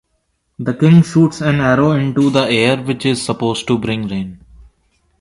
The king shoots an arrow into the air, which is supposed to bring rain.